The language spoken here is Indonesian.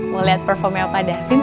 mau liat performnya opa davin